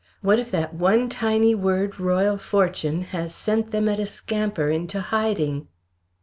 "What if that one tiny word Royal Fortune has sent them at a scamper into hiding?"